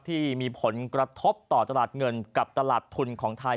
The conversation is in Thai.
ที่มีผลกระทบต่อตลาดเงินกับตลาดทุนของไทย